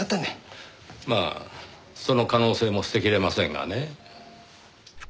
まあその可能性も捨てきれませんがね。